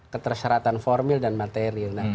ketersyaratan formil dan materi